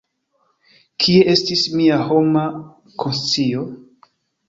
Kie estis mia homa konscio?